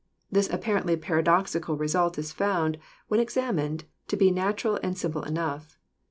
This apparently paradoxical result is found, when examined, to be natural and simple enough.